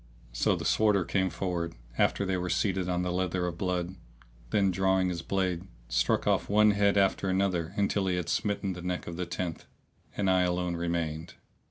So the Sworder came forward after they were seated on the leather of blood;[FN#634] then drawing his blade, struck off one head after another until he had smitten the neck of the tenth; and I alone remained.